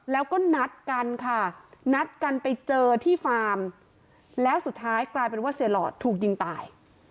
แล้วก็นัดกันค่ะนัดกันไปเจอที่ฟาร์มแล้วสุดท้ายกลายเป็นว่าเสียหลอดถูกยิงตาย